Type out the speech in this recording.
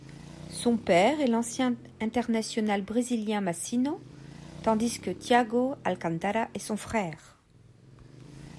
Son père est l'ancien international brésilien Mazinho tandis que Thiago Alcántara est son frère.